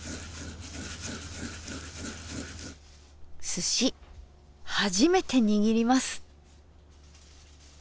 すし初めて握ります。